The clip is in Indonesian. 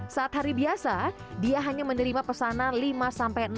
saat hari biasa dia hanya menerima pesanan lima sampai enam